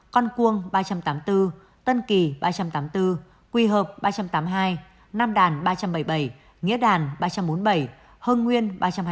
con cuông ba trăm tám mươi bốn tân kỳ ba trăm tám mươi bốn quỳ hợp ba trăm tám mươi hai nam đàn ba trăm bảy mươi bảy nghĩa đàn ba trăm bốn mươi bảy hưng nguyên ba trăm hai mươi